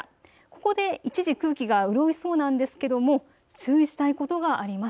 ここで一時空気が潤いそうなんですけども注意したいことがあります。